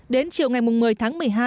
đến chiều ngày một mươi tháng một mươi hai